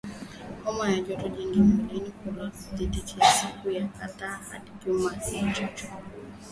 Homa au joto jingi mwilini linaloanza kujidhihirisha baada ya siku kadhaa hadi majuma machache